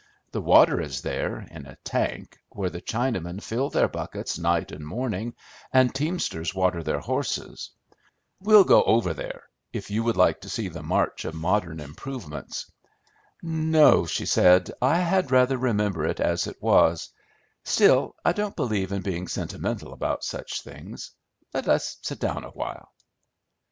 The water is there, in a tank, where the Chinamen fill their buckets night and morning, and the teamsters water their horses. We'll go over there, if you would like to see the march of modern improvements." "No," she said; "I had rather remember it as it was; still, I don't believe in being sentimental about such things. Let us sit down a while."